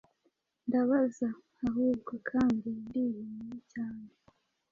Ndabaza ahubwo, kandi ndihimye cyane,